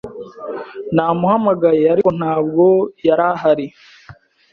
Namuhamagaye, ariko ntabwo yari ahari.